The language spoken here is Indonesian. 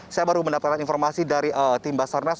saya baru mendapatkan informasi dari tim basarnas